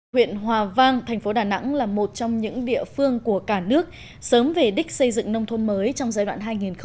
huyện hòa vang thành phố đà nẵng là một trong những địa phương của cả nước sớm về đích xây dựng nông thôn mới trong giai đoạn hai nghìn một mươi sáu hai nghìn hai mươi